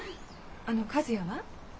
あの和也は？